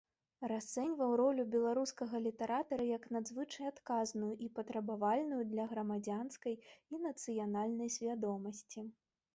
Расцэньваў ролю беларускага літаратара як надзвычай адказную і патрабавальную да грамадзянскай і нацыянальнай свядомасці.